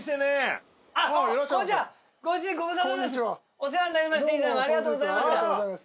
お世話になりまして以前はありがとうございました。